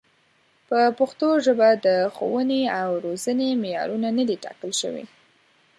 په پښتو ژبه د ښوونې او روزنې معیارونه نه دي ټاکل شوي.